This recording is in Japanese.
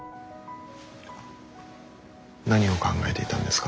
何を考えていたんですか？